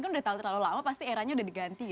kan udah terlalu lama pasti eranya udah diganti